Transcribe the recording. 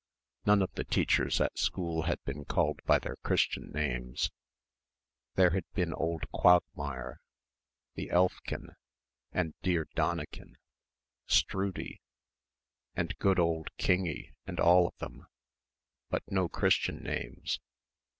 None of the teachers at school had been called by their Christian names there had been old Quagmire, the Elfkin, and dear Donnikin, Stroodie, and good old Kingie and all of them but no Christian names.